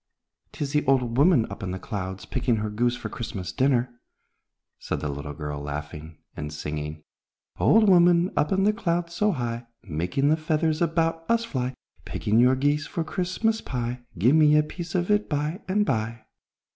"'Tis the old woman up in the clouds, picking her goose for Christmas dinner," said the little girl, laughing and singing, "Old woman, up in the clouds so high, Making the feathers about us fly, Picking your geese for Christmas pie, Give me a piece of it by and by!"